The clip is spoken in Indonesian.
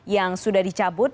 yang sudah dicabut